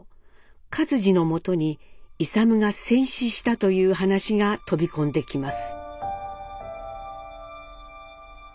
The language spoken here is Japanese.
克爾のもとに勇が戦死したという話が飛び込んできます。